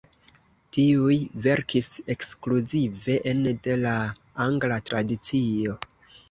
Tiuj verkis ekskluzive ene de la angla tradicio.